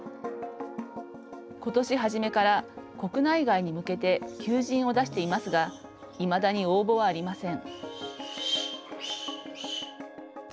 ことし始めから国内外に向けて求人を出していますがいまだに応募はありません。